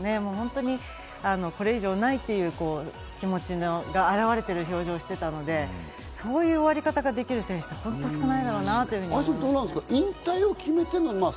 すがすがしさもこれ以上ないという気持ちの表れてる表情をしていたので、そういう終わり方ができる選手って本当に少ないだろうなと思います。